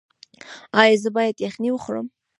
ایا زه باید یخني وخورم؟